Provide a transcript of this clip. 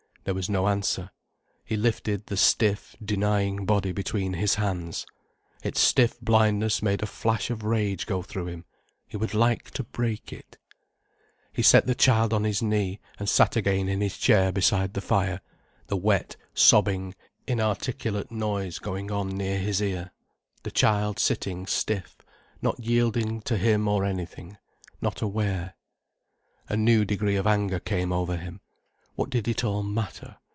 There was no answer. He lifted the stiff, denying body between his hands. Its stiff blindness made a flash of rage go through him. He would like to break it. He set the child on his knee, and sat again in his chair beside the fire, the wet, sobbing, inarticulate noise going on near his ear, the child sitting stiff, not yielding to him or anything, not aware. A new degree of anger came over him. What did it all matter?